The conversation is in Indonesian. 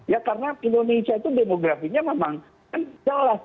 ya karena indonesia itu demografinya memang kan jelas